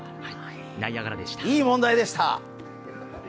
いい問題でした！